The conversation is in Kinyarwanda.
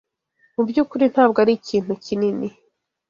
Mubyukuri ntabwo arikintu kinini.